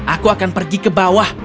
aku akan pergi ke bawah